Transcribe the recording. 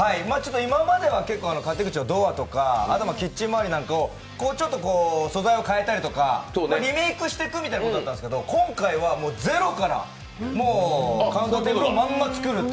今までは勝手口のドアとか、あとは、キッチンまわりとかを素材を変えたりとかリメイクしてくみたいなことだったんですけど、今回はゼロから、カウンターテーブルをまんま作ると。